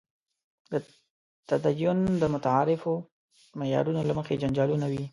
د تدین د متعارفو معیارونو له مخې جنجالونه وي.